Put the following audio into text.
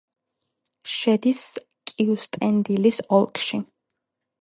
შედის კიუსტენდილის ოლქში.